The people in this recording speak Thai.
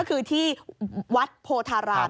คือที่วัดโผทาราม